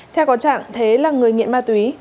theo có trạng thế là người nghiện ma túy